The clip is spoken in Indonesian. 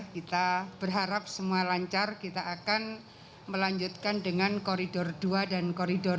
dua ribu dua puluh tiga kita berharap semua lancar kita akan melanjutkan dengan koridor dua dan koridor tiga